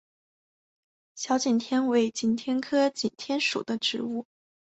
小景天为景天科景天属的植物。